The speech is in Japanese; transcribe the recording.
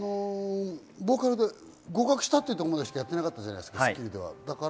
ボーカルで合格したってところまでしかやってなかったじゃないですか、『スッキリ』では。